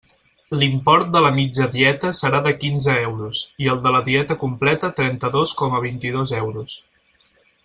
L'import de la mitja dieta serà de quinze euros, i el de la dieta completa trenta-dos coma vint-i-dos euros.